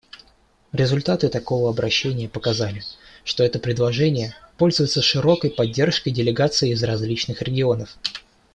Результаты такого обращения показали, что это предложение пользуется широкой поддержкой делегаций из различных регионов.